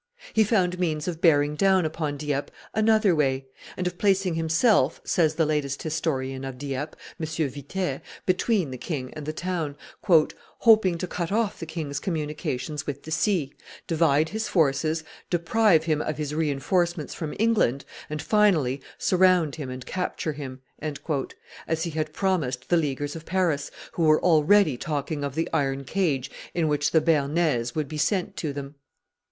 He found means of bearing down upon Dieppe another way, and of placing himself, says the latest historian of Dieppe, M. Vitet, between the king and the town, "hoping to cut off the king's communications with the sea, divide his forces, deprive him of his re enforcements from England, and, finally, surround him and capture him, as he had promised the Leaguers of Paris, who were already talking of the iron cage in which the Bearnese would be sent to them.